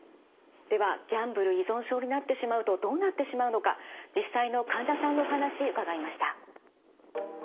ではギャンブル依存症になってしまうとどうなってしまうのか実際の患者さんのお話伺いました。